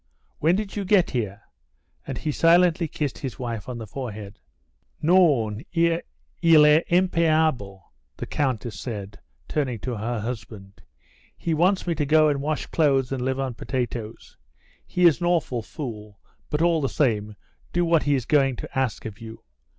"When did you get here?" And he silently kissed his wife on the forehead. "Non il est impayable," the Countess said, turning to her husband. "He wants me to go and wash clothes and live on potatoes. He is an awful fool, but all the same do what he is going to ask of you.